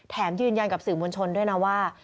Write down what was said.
ยืนยันกับสื่อมวลชนด้วยนะว่า